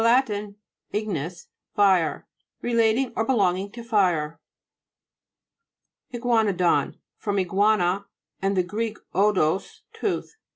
lat. ignis, fire. Re lating or belonging to fire. IGUA'NODOX From iguana, and the Gr. odous, tooth.